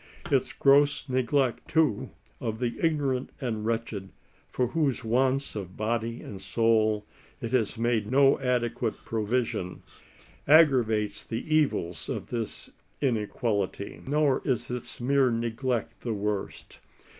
Its gross neglect, too, of the ignorant and wretched, for whose wants of body and soul it has made no adequate provision, aggravates the evils of this inequality. Nor is its mere neglect the worst.